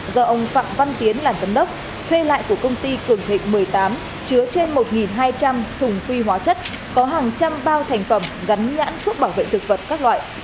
do ông phạm văn tiến làm giám đốc thuê lại của công ty cường thịnh một mươi tám chứa trên một hai trăm linh thùng phi hóa chất có hàng trăm bao thành phẩm gắn nhãn thuốc bảo vệ thực vật các loại